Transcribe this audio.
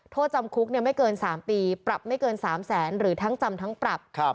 โทษจำคุกไม่เกิน๓ปีปรับไม่เกิน๓แสนหรือทั้งจำทั้งปรับ